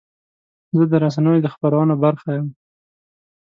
زه د رسنیو د خپرونو برخه یم.